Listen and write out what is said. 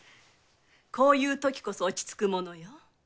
こういうときこそ落ち着くものよ。